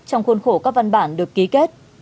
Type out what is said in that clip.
trong khuôn khổ các văn bản được ký kết